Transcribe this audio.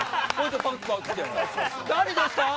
誰ですか？